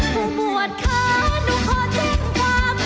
ผู้บวชค่ะหนูขอแจ้งความ